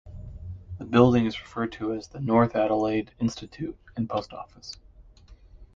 The building is referred to as the North Adelaide Institute and Post Office.